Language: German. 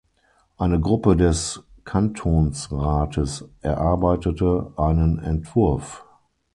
Eine Gruppe des Kantonsrates erarbeitete einen Entwurf.